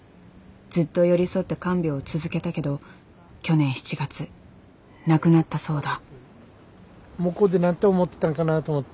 ずっと寄り添って看病を続けたけど去年７月亡くなったそうだ。